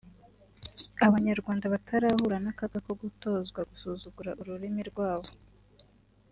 Abanyarwanda batarahura n’akaga ko gutozwa gusuzugura ururimi rwabo